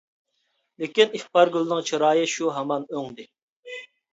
لېكىن ئىپارگۈلنىڭ چىرايى شۇ ھامان ئۆڭدى.